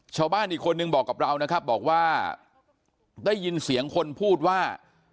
ชาวบ้านอีกคนนึงบอกกับเรานะครับบอกว่าได้ยินเสียงคนพูดว่า